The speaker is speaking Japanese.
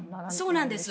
そうなんです。